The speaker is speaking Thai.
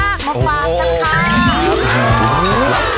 มาฟังกันค่ะ